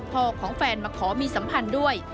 ของแฟนมาขอมีสัมพันธ์ด้วย